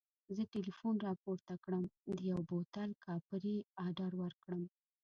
زه ټلیفون راپورته کړم د یوه بوتل کاپري اډر ورکړم.